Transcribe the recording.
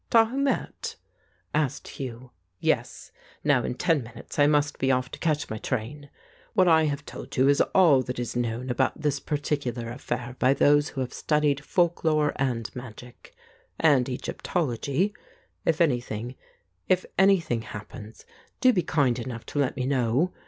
'" "Tahu met?" asked Hugh. "Yes. Now in ten minutes I must be off to catch my train. What I have told you is all that is known about this particular affair by those who have studied folk lore and magic, and Egyptology. If anything — if anything happens, do be kind enough to let me know.